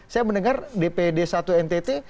saya mendengar dpd satu ntt